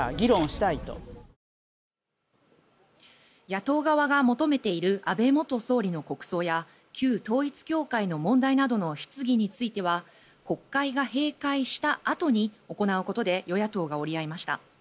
野党側が求めている安倍元総理の国葬や旧統一教会の問題などの質疑については国会が閉会したあとに行うことで与野党が折り合いました。